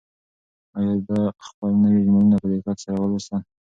آیا ده خپل نوي ایمیلونه په دقت سره ولوستل؟